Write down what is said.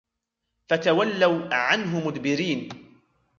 فَتَوَلَّوْا عَنْهُ مُدْبِرِينَ